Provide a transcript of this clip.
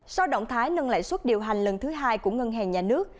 sau động thái nâng lãi suất điều hành lần thứ hai của ngân hàng nhà nước